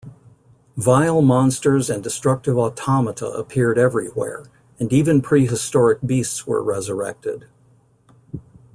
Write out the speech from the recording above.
Vile monsters and destructive automata appeared everywhere, and even prehistoric beasts were resurrected.